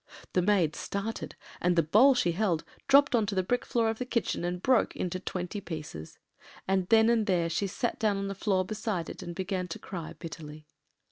The maid started, and the bowl she held dropped on to the brick floor of the kitchen and broke into twenty pieces; and then and there she sat down on the floor beside it, and began to cry bitterly.